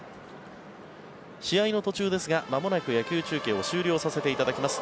試合の途中ですがまもなく野球中継を終了させていただきます。